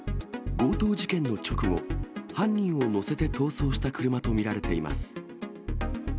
強盗事件の直後、犯人を乗せて逃走した車と見られています。